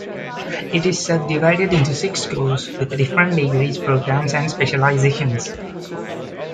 It is subdivided into six schools with different degree programmes and specialisations.